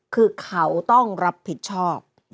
คือเขาต้องรับผิดชอบ